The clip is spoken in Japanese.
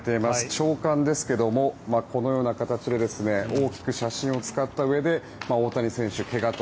朝刊ですが、このような形で大きく写真を使ったうえで大谷選手怪我と。